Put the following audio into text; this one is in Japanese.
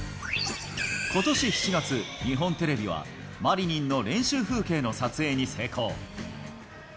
ことし７月、日本テレビは、マリニンの練習風景の撮影に成功。